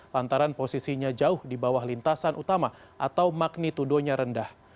lantaran posisinya jauh di bawah lintasan utama atau magnitudonya rendah